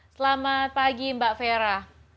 selamat pagi mbak vera